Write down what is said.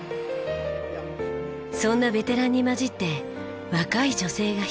そんなベテランに交じって若い女性が１人。